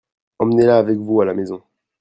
Emmenez-la avec vous à la maison.